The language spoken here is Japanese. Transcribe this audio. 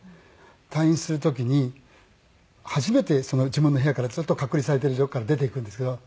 退院する時に初めてその自分の部屋からずっと隔離されてる状況から出ていくんですけど。